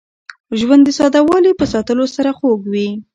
ژوند د ساده والي په ساتلو سره خوږ وي.